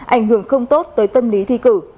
ảnh hưởng không tốt tới tâm lý thi cử